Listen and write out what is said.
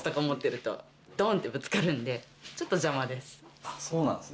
ちょっと邪魔です。